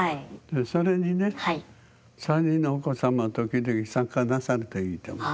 それにね３人のお子様も時々参加なさるといいと思う。